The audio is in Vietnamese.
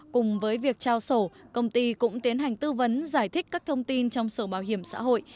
cùng với việc trao sổ công ty cũng tiến hành tư vấn giải thích các thông tin trong sổ bảo hiểm xã hội